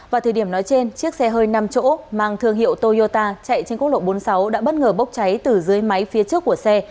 vào thời điểm nói trên chiếc xe hơi năm chỗ mang thương hiệu toyota chạy trên quốc lộ bốn mươi sáu đã bất ngờ bốc cháy từ dưới máy phía trước của xe